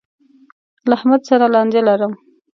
له احمد سره لانجه لرم.